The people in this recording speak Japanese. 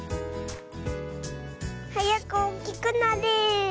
はやくおおきくなれ！